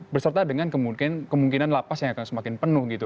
berserta dengan kemungkinan lapas yang akan semakin penuh gitu